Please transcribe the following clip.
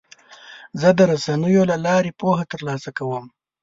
زه د رسنیو له لارې پوهه ترلاسه کوم.